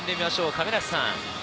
亀梨さん。